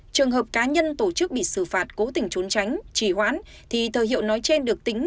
trường hợp cá nhân tổ chức bị xử phạt cố tình trốn tránh trì hoãn thì thời hiệu nói trên được tính